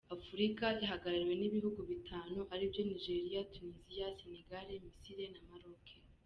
Afurika ihagarariwe n’ibihugu bitanu ari byo Nigeria, Tunisia, Senegal, Misiri na Maroc.